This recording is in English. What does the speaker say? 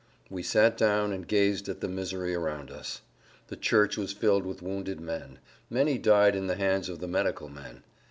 We sat down and gazed at the misery around us. The church was filled with wounded men. Many died in the hands of the medical men.